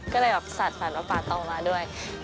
ก็เลยแบบสัดฝันว่าป่าตองมาด้วย